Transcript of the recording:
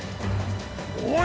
おい！